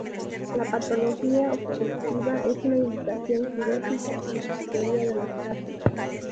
La patología obstructiva es una indicación quirúrgica en la mayoría de los casos.